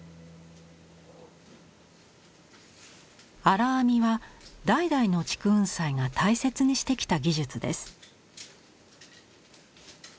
荒編みは代々の竹雲斎が大切にしてきた技術です。